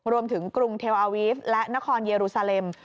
รวมถึงกรุงเทลอะวีฟล์และนครเยรูซาเลม